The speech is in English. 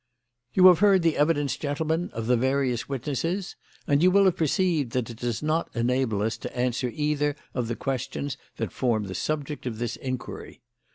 "You have heard the evidence, gentlemen, of the various witnesses, and you will have perceived that it does not enable us to answer either of the questions that form the subject of this inquiry.